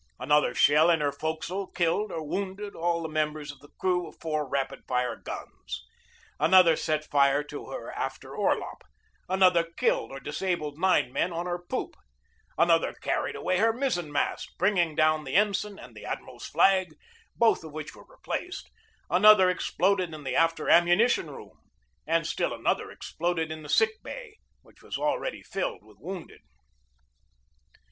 Another shell in her forecastle killed or wounded all the members of the crews of four rapid fire guns ; another set fire to her after orlop; another killed or disabled nine men on her poop; another carried away her mizzen mast, bringing down the ensign and the admiral's flag, THE BATTLE OF MANILA BAY 217 both of which were replaced; another exploded in the after ammunition room; and still another ex ploded in the sick bay ; which was already filled with wounded.